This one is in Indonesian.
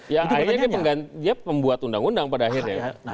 ya akhirnya dia pembuat undang undang pada akhirnya